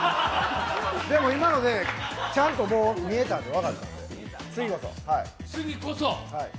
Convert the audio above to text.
でも今のでちゃんともう見えたんで分かった、次こそ。